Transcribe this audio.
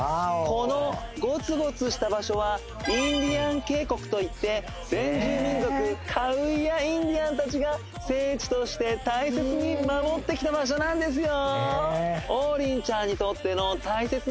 このゴツゴツした場所はインディアン渓谷といって先住民族カウイア・インディアンたちが聖地として大切に守ってきた場所なんですよ